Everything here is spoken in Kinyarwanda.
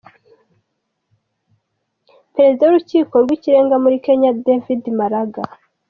Perezida w’ urukiko rw’ ikirenga muri Kenya David Maraga